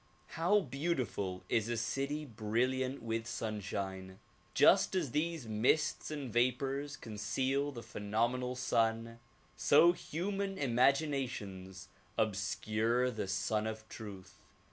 How beautiful is a city brilliant with sunshine. Just as these mists and vapors conceal the phenomenal sun, so human imagina tions obscure the Sun of Truth.